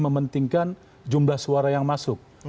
mementingkan jumlah suara yang masuk